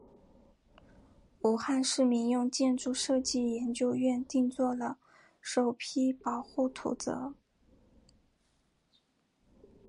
武汉市民用建筑设计研究院定做了首批保护图则。